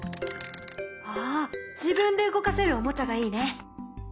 あ自分で動かせるおもちゃがいいね。